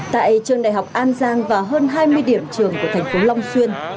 tại trường đại học an giang và hơn hai mươi điểm trường của thành phố long xuyên